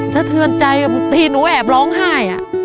ถ้าเธอใจทีหนูแอบร้องไห้อะ